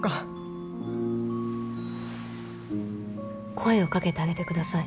声を掛けてあげてください。